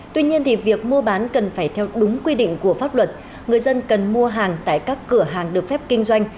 tuy nhiên thì việc mua bán cần phải theo đúng quy định của pháp luật người dân cần mua hàng tại các cửa hàng được phép kinh doanh